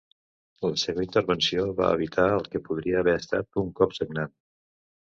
La seva intervenció va evitar el que podria haver estat un cop sagnant.